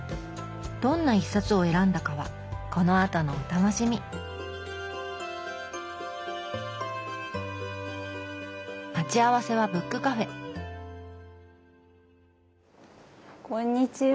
どんな一冊を選んだかはこのあとのお楽しみ待ち合わせはブックカフェこんにちは。